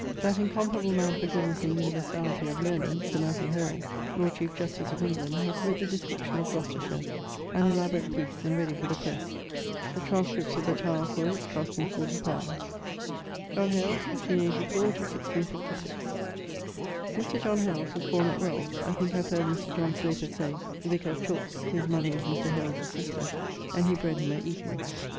That incomparable man for goodnes and universality of learning, Sir Matthew Hales, Lord Chief Justice of England, hath writt the description of Gloucestershire, an elaborate piece, and ready for the presse. The transcripts of the Tower for it cost him 40 li. =John Hales= (1584 1656). Mr. John Hales, ..., was borne at Wells, I thinke I have heard Mr. John Sloper say (vicar of Chalke; his mother was Mr. Hales's sister, and he bred him at Eaton).